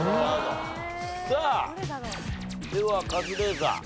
さあではカズレーザー。